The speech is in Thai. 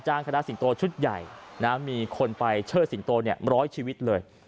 จ้างคณะสิงโตชุดใหญ่นะมีคนไปเชิดสิงโตเนี่ย๑๐๐ชีวิตเลย